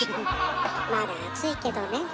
まだ暑いけどね。